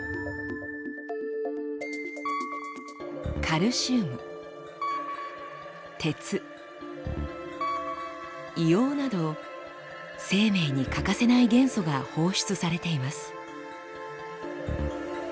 カルシウム鉄硫黄など生命に欠かせない元素が放出されています。